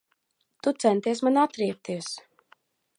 Tu centies man atriebties.